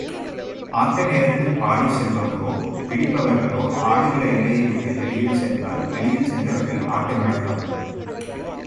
ஆட்ட நேரத்தில் பாடிச் செல்பவரோ, பிடிப்பவர்களோ ஆடுகள எல்லையை விட்டு வெளியே சென்றால், வெளியில் சென்றவர்கள் ஆட்டமிழப்பார்கள்.